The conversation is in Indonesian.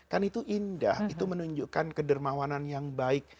kan itu indah itu menunjukkan kedermawanan yang baik